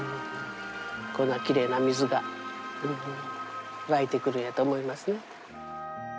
こんなきれいな水が湧いてくるんやと思いますね。